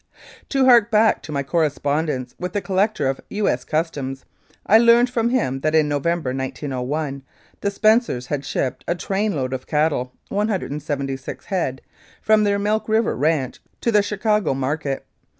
To hark back to my correspondence with the Collec tor of U.S. Customs, I learned from him that in November, 1901, the Spencers had shipped a trainload of cattle (176 head) from their Milk River ranche to the Chicago market.